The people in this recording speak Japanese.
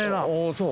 そう。